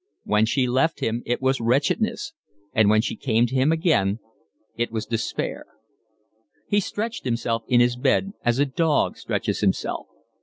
When she left him it was wretchedness, and when she came to him again it was despair. He stretched himself in his bed as a dog stretches himself.